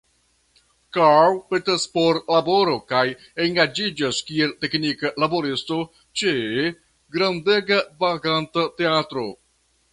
Karl petas por laboro kaj engaĝiĝas kiel "teknika laboristo" ĉe grandega vaganta teatro.